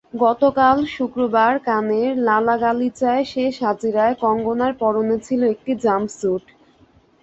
গতকাল শুক্রবার কানের লালাগালিচায় শেষ হাজিরায় কঙ্গনার পরনে ছিল একটি জাম্পস্যুট।